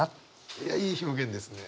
いやいい表現ですね。